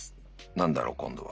何だろう今度は。